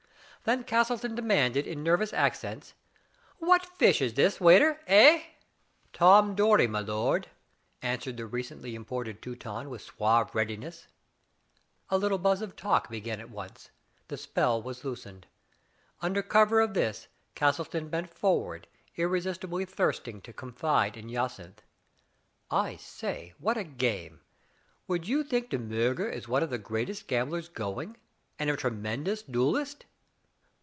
Then Castleton demanded, in nervous accents : "What fish is this, waiter— eh?" *'Tom Dory, milord,*' answered the recently imported Teuton with suave readiness. A little buzz of talk began at once ; the spell was loosed. Under cover of this Castleton bent forward, irresistibly thirsting to confide in Jacynth. I say, what a game ! Would you think De Miirger is one of the greatest gamblers going, and a tremendous duelist?"